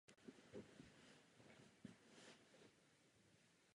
Thomas se proto vrací zpět do Švýcarska do ústavu.